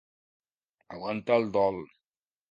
Aguantar el dol.